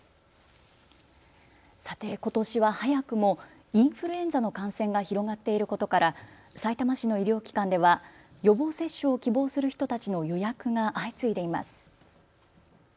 さて、ことしは早くもインフルエンザの感染が広がっていることから、さいたま市の医療機関では予防接種を希望する人たちの予約が相次いでいます。